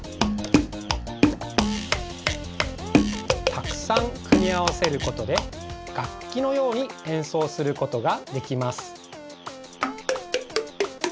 たくさんくみあわせることでがっきのようにえんそうすることができます。